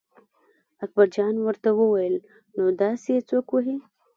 اکبرجان ورته وویل نو داسې یې څوک وهي.